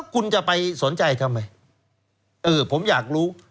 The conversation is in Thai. คุณจะไปสนใจทำไมผมอยากรู้